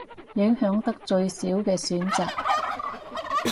影響得最少嘅選擇